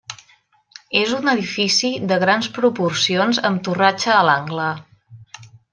És un edifici de grans proporcions amb torratxa a l'angle.